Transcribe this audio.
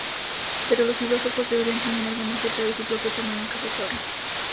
Pero los filósofos deberían tener algo más cerca de su propio tamaño que forzarlo.